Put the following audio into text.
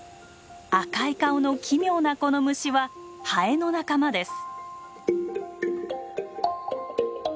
赤い顔の奇妙なこの虫はハエの仲間です。